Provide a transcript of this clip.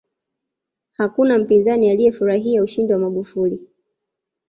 hakuna mpinzani aliyefurahia ushindi wa magufuli